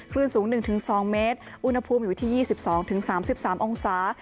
คลื่นสูง๑๒เมตรอุณหภูมิอยู่ที่๒๒๓๓องศา